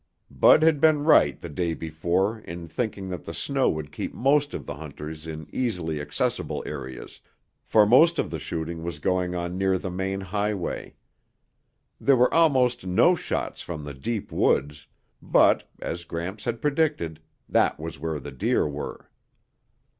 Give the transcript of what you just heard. Bud had been right the day before in thinking that the snow would keep most of the hunters in easily accessible areas, for most of the shooting was going on near the main highway. There were almost no shots from the deep woods but, as Gramps had predicted, that was where the deer were.